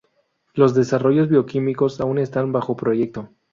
Los desarrollos bioquímicos aún están bajo proyecto.